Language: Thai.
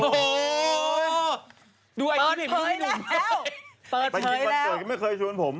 โอ้โฮโฮปัดภัยแล้วปัดภัยแล้วเดี้ยวกี่คนเขาไม่เคยชวนผม